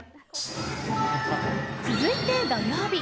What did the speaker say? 続いて、土曜日。